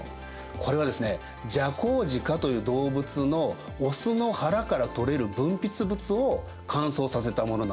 これはですねジャコウジカという動物の雄の腹から取れる分泌物を乾燥させたものなんです。